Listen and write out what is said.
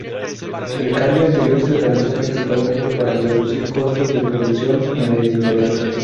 El cambio anterior se realizó principalmente para reducir costos de producción en la editorial.